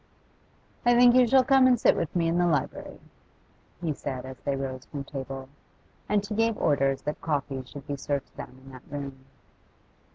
'I think you shall come and sit with me in the library,' he said as they rose from table. And he gave orders that coffee should be served to them in that room.